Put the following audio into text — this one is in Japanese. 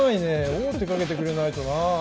王手かけてくれないとな。